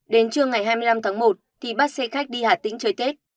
đến trưa ngày hai mươi năm tháng một thì bắt xe khách đi hà tĩnh chơi tết